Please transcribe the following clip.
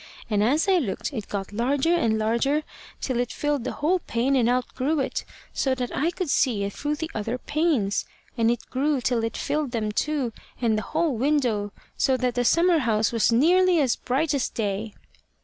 And as I looked it got larger and larger till it filled the whole pane and outgrew it, so that I could see it through the other panes; and it grew till it filled them too and the whole window, so that the summer house was nearly as bright as day.